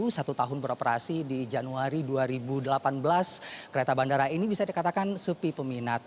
satu tahun beroperasi di januari dua ribu delapan belas kereta bandara ini bisa dikatakan sepi peminat